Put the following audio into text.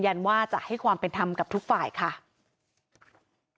เพราะมันเอาไปสำหรับใช้ค่ะจริง